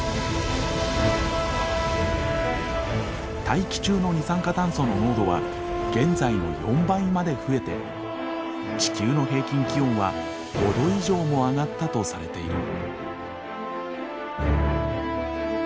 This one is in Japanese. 大気中の二酸化炭素の濃度は現在の４倍まで増えて地球の平均気温は５度以上も上がったとされている。